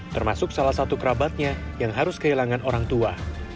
termasuk salah satu kerabatnya yang harus kehilangan orang tua